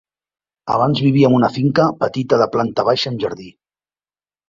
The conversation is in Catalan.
Abans vivia en una finca petita de planta baixa amb jardí.